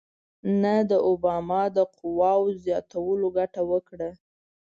نه د اوباما د قواوو زیاتولو ګټه وکړه.